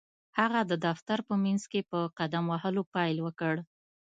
هغه د دفتر په منځ کې په قدم وهلو پيل وکړ.